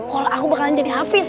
kalau aku bakalan jadi hafiz